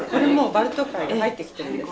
バルト海に入ってきてるんですか？